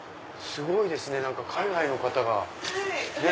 すごいですね海外の方がね。